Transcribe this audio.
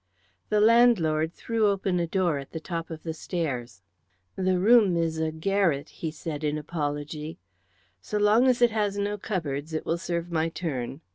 The landlord threw open a door at the top of the stairs. "The room is a garret," he said in apology. "So long as it has no cupboards it will serve my turn."